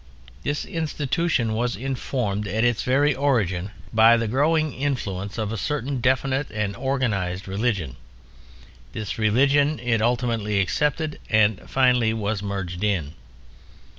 This institution was informed at its very origin by the growing influence of a certain definite and organized religion: this religion it ultimately accepted and, finally, was merged in.